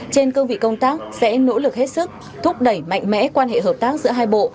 trên cơ vị công tác sẽ nỗ lực hết sức thúc đẩy mạnh mẽ quan hệ hợp tác giữa hai bộ